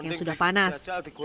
yang sudah panas